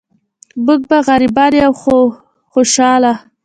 مونږ به غریبان یو خو خوشحاله.